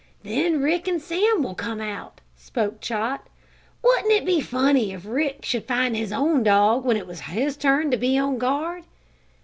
"Then Rick and Sam will come out," spoke Chot. "Wouldn't it be funny if Rick should find his own dog when it was his turn to be on guard."